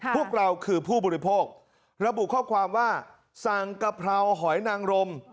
พวกเราคือผู้บริโภคระบุข้อความว่าสั่งกะเพราหอยนางรม